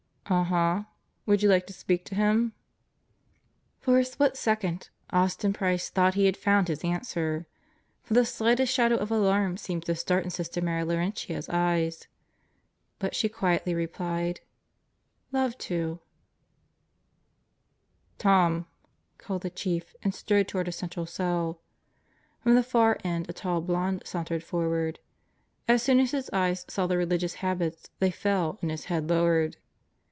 "Uh huh. Would you like to speak to him?" For a split second Austin Price thought he had found his answer, for the slightest shadow of alarm seemed to start in Sister Mary Laurentia's eyes. But she quietly replied: "Love tol" "Tom!" called the Chief and strode toward a central cell. From the far end a tall blonde sauntered forward. As soon as his eyes saw the religious habits they fell and his head lowered.